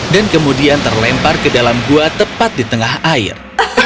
dan kemudian terlempar ke dalam gua tepat di tengah air